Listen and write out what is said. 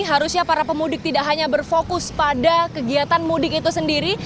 harusnya para pemudik tidak hanya berfokus pada kegiatan mudik itu sendiri